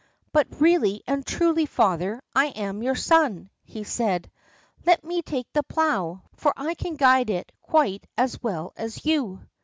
"But really and truly, father, I am your son," he said. "Let me take the plow, for I can guide it quite as well as you."